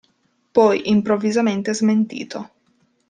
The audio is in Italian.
Poi improvvisamente smentito.